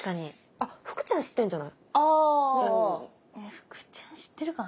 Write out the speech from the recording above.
福ちゃん知ってるかな？